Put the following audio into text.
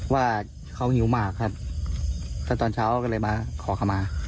ว่าเขาหิวมากครับถ้าตอนเช้าก็เลยมาขอเข้ามา